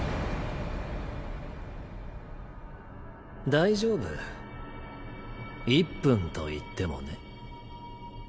大丈夫１分といってもね。